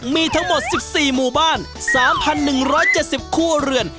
มีทั้งหมด๑๔หมู่บ้าน๓๑๗๐ครัวเรือน